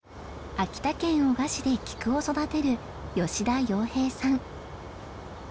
秋田県男鹿市でキクを育てる吉田洋平さん。